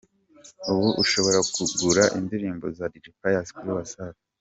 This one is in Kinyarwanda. Ubu ushobora kugura indirimbo za Dj Pius kuri Wasafi.